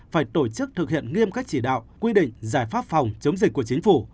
phải tổ chức thực hiện nghiêm các chỉ đạo quy định giải pháp phòng chống dịch của chính phủ